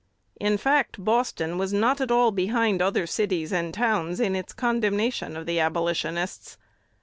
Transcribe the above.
In fact, Boston was not at all behind other cities and towns in its condemnation of the Abolitionists.